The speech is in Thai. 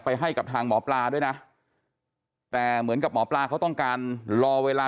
ให้กับทางหมอปลาด้วยนะแต่เหมือนกับหมอปลาเขาต้องการรอเวลา